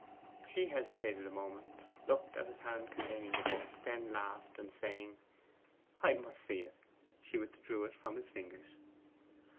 She hesitated a moment, looked at his hand containing the book, then laughed, and saying, 'I must see it,' withdrew it from his fingers.